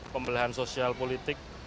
pembelahan sosial politik